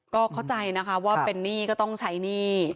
ก็เข้าใจนะคะว่าเป็นหนี้ก็ต้องใช้หนี้